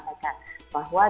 bahwa dengan dapatkan vaksin